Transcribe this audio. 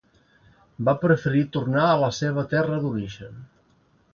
Va preferir tornar a la seva terra d’origen.